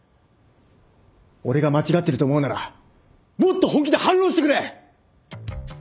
俺が間違ってると思うならもっと本気で反論してくれ！